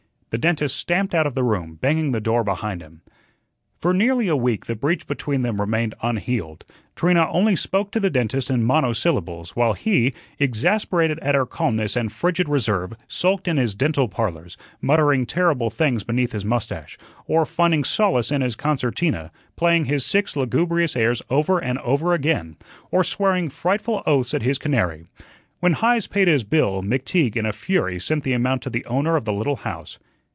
The dentist stamped out of the room, banging the door behind him. For nearly a week the breach between them remained unhealed. Trina only spoke to the dentist in monosyllables, while he, exasperated at her calmness and frigid reserve, sulked in his "Dental Parlors," muttering terrible things beneath his mustache, or finding solace in his concertina, playing his six lugubrious airs over and over again, or swearing frightful oaths at his canary. When Heise paid his bill, McTeague, in a fury, sent the amount to the owner of the little house.